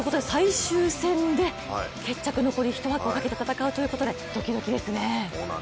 最終戦で残りひと枠をかけて戦いをするということで、ドキドキですね。